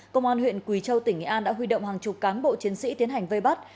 công an huyện quỳ châu tỉnh nghệ an đã huy động hàng chục cán bộ chiến sĩ tiến hành vây bắt